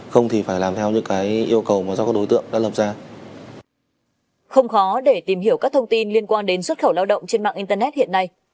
không khó để tìm hiểu các thông tin liên quan đến xuất khẩu lao động trên mạng internet hiện nay